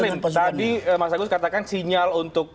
bang taslim tadi mas agus katakan sinyal untuk